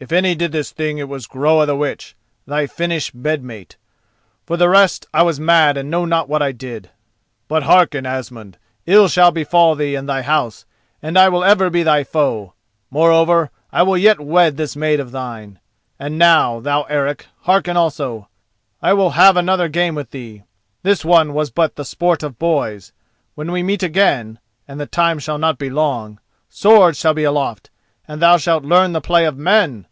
If any did this thing, it was Groa the Witch, thy Finnish bedmate. For the rest, I was mad and know not what I did. But hearken, Asmund: ill shall befall thee and thy house, and I will ever be thy foe. Moreover, I will yet wed this maid of thine. And now, thou Eric, hearken also: I will have another game with thee. This one was but the sport of boys; when we meet again—and the time shall not be long—swords shall be aloft, and thou shalt learn the play of men.